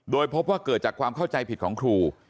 โดยพบว่าเกิดจากความเข้าใจผิดของครู